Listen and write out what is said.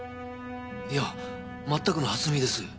いや全くの初耳です。